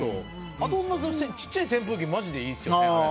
あと小さい扇風機マジでいいですよ。